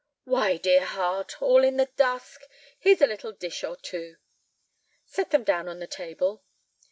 "Why, dear heart, all in the dusk! Here's a little dish or two." "Set them down on the table."